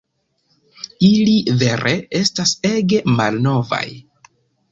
Ili vere estas ege malnovaj